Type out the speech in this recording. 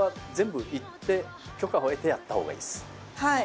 はい！